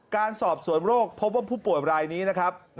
การสอบสวนโรคพบว่าผู้ป่วยรายนี้นะครับ